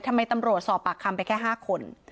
ทำไมตำรวจสอบปากคำไปแค่๕คน